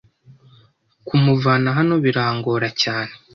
Kumuvana hano birangora cyane.